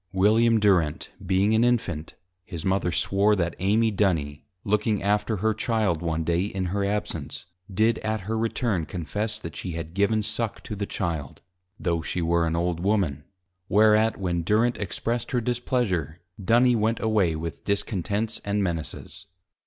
William Durent being an Infant, his Mother Swore, That Amy Duny looking after her Child one Day in her absence, did at her return confess, that she had given suck to the Child: (tho' she were an Old Woman:) Whereat, when Durent expressed her displeasure, Duny went away with Discontents and Menaces.